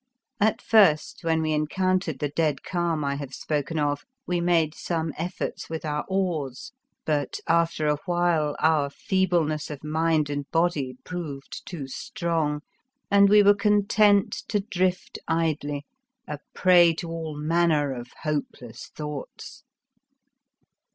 At first when we encountered the dead calm I have spoken of we made some efforts with our oars, but, after awhile, our feeble ness of mind and body proved too strong and we were content to drift idly, a prey to all manner of hopeless thoughts.